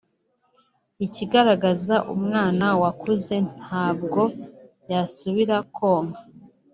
Ikigaragaza umwana wakuze ntabwo yasubira konka